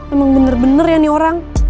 emang bener bener ya nih orang